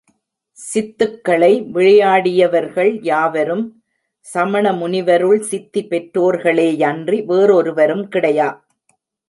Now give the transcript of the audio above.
சித்துக்களை விளையாடியவர்கள் யாவரும் சமணமுனிவருள் சித்தி பெற்றோர்களேயன்றி வேறொருவரும் கிடையா.